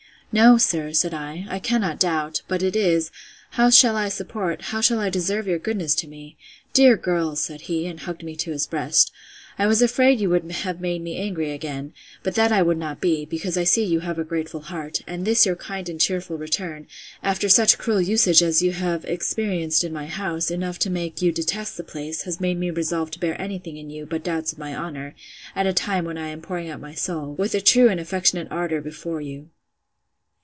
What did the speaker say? —No, sir, said I, I cannot doubt; but it is, how I shall support, how I shall deserve your goodness to me.—Dear girl! said he, and hugged me to his breast, I was afraid you would have made me angry again; but that I would not be, because I see you have a grateful heart; and this your kind and cheerful return, after such cruel usage as you had experienced in my house, enough to make you detest the place, has made me resolve to bear any thing in you, but doubts of my honour, at a time when I am pouring out my soul, with a true and affectionate ardour, before you.